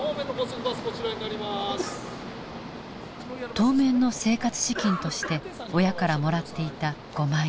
当面の生活資金として親からもらっていた５万円。